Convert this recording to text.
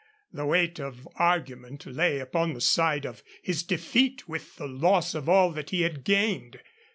The weight of argument lay upon the side of his defeat with the loss of all that he had gained.